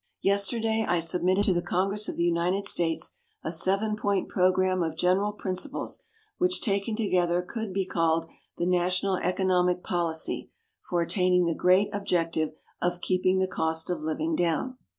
Yesterday I submitted to the Congress of the United states a seven point program of general principles which taken together could be called the national economic policy for attaining the great objective of keeping the cost of living down.